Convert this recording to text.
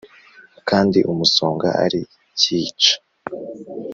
Kandi umusonga ari cyica.